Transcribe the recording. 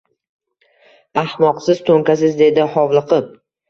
«Ahmoqsiz, to’nkasiz, — dedi hovliqib,-